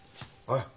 はい？